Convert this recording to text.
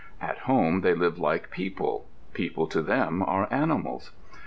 At home they live like people. People to them are animals.